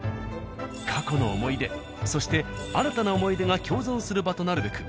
過去の思い出そして新たな思い出が共存する場となるべく